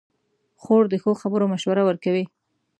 خور د ښو خبرو مشوره ورکوي.